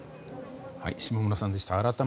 下村さんでした。